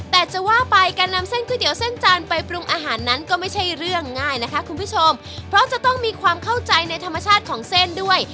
แต่จะว่าไปการนำเส้นก๋วยเตี๋ยวเส้นจานไปปรุงอาหารนั้นก็ไม่ใช่เรื่องง่ายนะคะคุณผู้ชมเพราะจะต้องมีความเข้าใจในธรรมชาติของเส้นด้วย